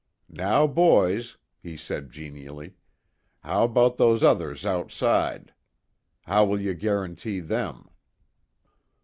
"Now, boys," he said genially, "how about those others outside? How will you guarantee them?"